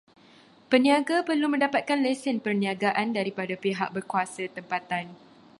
Peniaga perlu mendapatkan lesen peniagaan daripada pihak berkuasa tempatan.